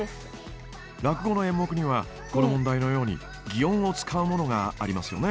落語の演目にはこの問題のように擬音を使うものがありますよね。